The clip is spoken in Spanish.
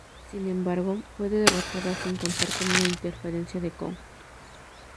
Sin embargo, fue derrotada sin contar una interferencia de Kong.